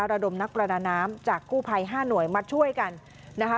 ระดมนักประดาน้ำจากกู้ภัย๕หน่วยมาช่วยกันนะคะ